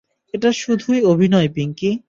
এটা শুধুই অভিনয়, পিংকী।